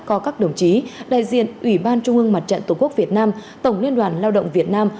có các đồng chí đại diện ủy ban trung ương mặt trận tổ quốc việt nam tổng liên đoàn lao động việt nam